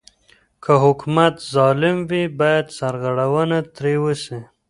که حکومت ظالم وي بايد سرغړونه ترې وسي.